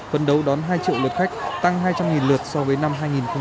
phấn đấu đón hai triệu lượt khách tăng hai trăm linh lượt so với năm hai nghìn một mươi tám